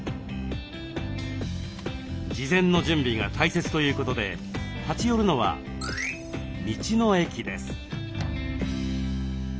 事前の準備が大切ということで立ち寄るのは「道の駅」です。